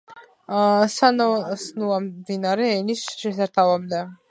სანაოსნოა მდინარე ენის შესართავამდე.